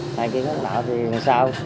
người kia không đảm bảo thì làm sao